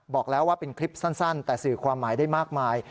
บอกแล้วว่าเป็นคลิปสั้นแต่สื่อความหมายได้มากมาย